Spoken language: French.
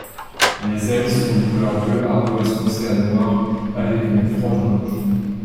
Les ailes sont de couleur bleu ardoise foncé à noire avec une frange blanche.